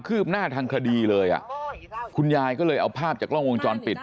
ืบหน้าทางคดีเลยอ่ะคุณยายก็เลยเอาภาพจากกล้องวงจรปิด